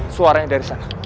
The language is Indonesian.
suaranya dari sana